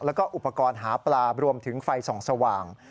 แล้วก็อุปกรณ์หาปลารวมถึงไฟส่องสว่าง